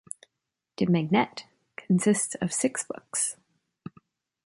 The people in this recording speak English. "De Magnete" consists of six books.